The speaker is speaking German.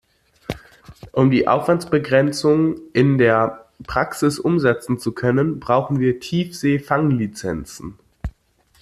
Um die Aufwandsbegrenzung in der Praxis umsetzen zu können, brauchen wir Tiefseefanglizenzen.